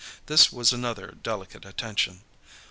This was another delicate attention.